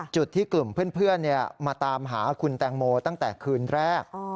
จุดที่กลุ่มเพื่อนมาตามหาคุณแตงโมตั้งแต่คืนแรก